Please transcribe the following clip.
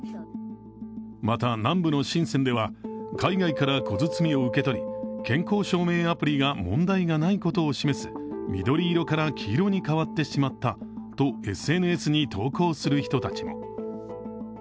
また、南部の深センでは海外から小包を受け取り、健康証明アプリが問題がないことを示す緑色から黄色に変わってしまったとＳＮＳに投稿する人たちも。